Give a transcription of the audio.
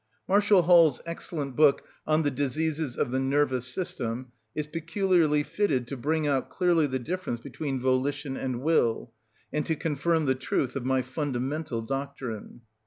Marshall Hall's excellent book "On the Diseases of the Nervous System" is peculiarly fitted to bring out clearly the difference between volition and will, and to confirm the truth of my fundamental doctrine.